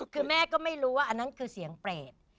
คือแม่ก็ไม่รู้ว่าอันนั้นคือเสียงเปรต